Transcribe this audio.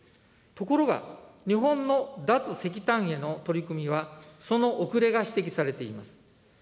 ところが、日本の脱石炭への取り組みは、その遅れが指摘されています。